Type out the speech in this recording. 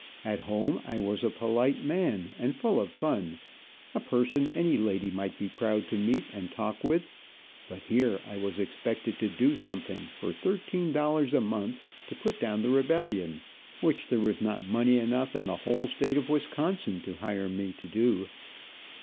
At home, I was a polite man, and full of fun, a person any lady might be proud to meet and talk with, but here I was expected to do something, for thirteen dollars a month, to put down the rebellion, which there was not money enough in the whole state of Wisconsin to hire me to do.